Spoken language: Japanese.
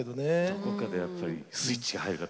どこかでやっぱりスイッチが入る方。